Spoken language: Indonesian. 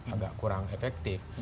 agak kurang efektif